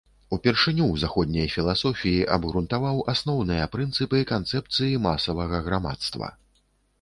Упершыню ў заходняй філасофіі абгрунтаваў асноўныя прынцыпы канцэпцыі масавага грамадства.